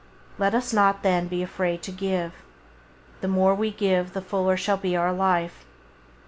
Let us not, then, be afraid to give. The more we give the fuller shall be our life.